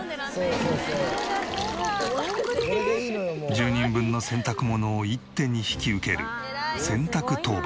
１０人分の洗濯物を一手に引き受ける洗濯当番。